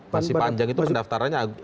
masih panjang itu pendaftarannya